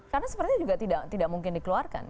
karena sepertinya juga tidak mungkin dikeluarkan